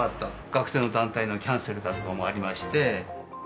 学生の団体のキャンセルとかもありまして。